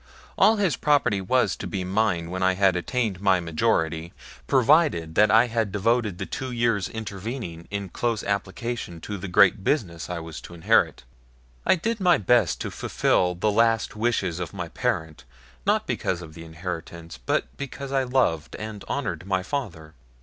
All his property was to be mine when I had attained my majority provided that I had devoted the two years intervening in close application to the great business I was to inherit. I did my best to fulfil the last wishes of my parent not because of the inheritance, but because I loved and honored my father.